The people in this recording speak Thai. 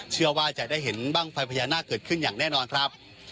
เชื่อว่าจะได้เห็นบ้างไฟพญานาคเกิดขึ้นอย่างแน่นอนครับ